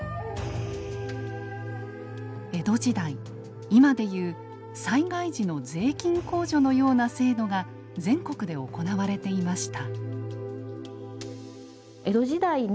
江戸時代今で言う災害時の税金控除のような制度が全国で行われていました。